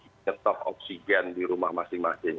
mengetok oksigen di rumah masing masing